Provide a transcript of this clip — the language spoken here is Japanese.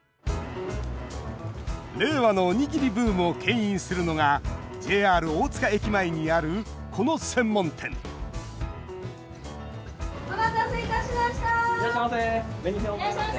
令和のおにぎりブームをけん引するのがＪＲ大塚駅前にあるこの専門店いらっしゃいませ。